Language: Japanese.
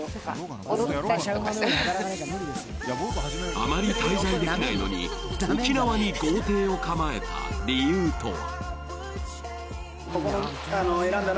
あまり滞在できないのに、沖縄に豪邸を構えた理由とは？